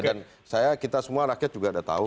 dan kita semua rakyat juga udah tahu